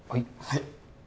はい。